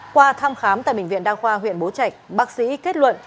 qua thăm khám tại bệnh viện đa khoa huyện bố trạch bác sĩ kết luận